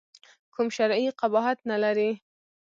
کوم شرعي قباحت نه لري.